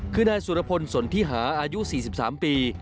คือนายสุรพลสนทิหาอายุ๔๓ปี